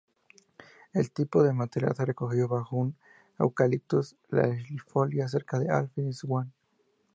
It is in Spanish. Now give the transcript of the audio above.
El tipo de material se recogió bajo un "Eucalyptus latifolia" cerca de Airfield Swamp.